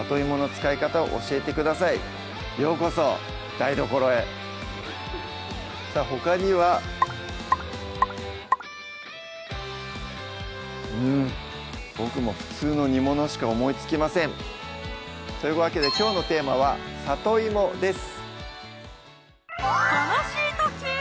台所へさぁほかにはうん僕も普通の煮物しか思いつきませんというわけできょうのテーマは「里芋」です